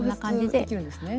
調節できるんですね。